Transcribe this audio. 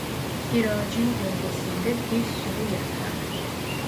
Bir ağacın gölgesinde bir sürü yatar.